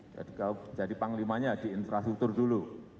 jadi panglimanya di infrastruktur dulu